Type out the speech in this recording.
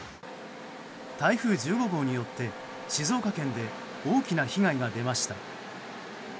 台風１５号によって静岡県で大きな被害が出ました。